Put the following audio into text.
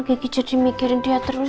gigi jadi mikirin dia terus